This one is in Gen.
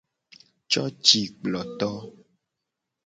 Cocikploto.